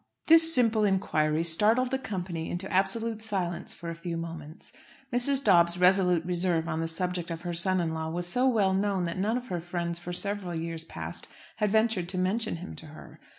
This simple inquiry startled the company into absolute silence for a few moments. Mrs. Dobbs's resolute reserve on the subject of her son in law was so well known that none of her friends for several years past had ventured to mention him to her.